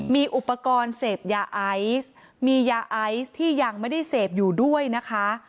มีอุปกรณ์เสพยาไอซ์มียาไอซ์ที่ยังไม่ได้เสพอยู่ด้วยนะคะ